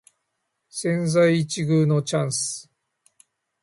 千載一遇のチャンス